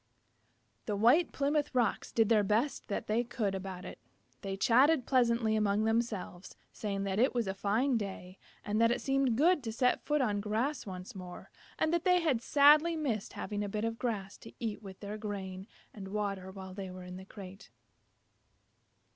The White Plymouth Rocks did the best that they could about it. They chatted pleasantly among themselves, saying that it was a fine day, and that it seemed good to set foot on grass once more, and that they had sadly missed having a bit of grass to eat with their grain and water while they were in the crate.